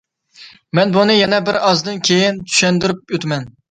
مەن بۇنى يەنە بىر ئازدىن كېيىن چۈشەندۈرۈپ ئۆتىمەن.